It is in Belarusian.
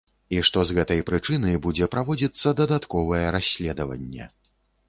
І што з гэтай прычыны будзе праводзіцца дадатковае расследаванне.